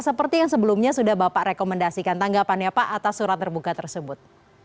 seperti yang sebelumnya sudah bapak rekomendasikan tanggapannya pak atas surat terbuka tersebut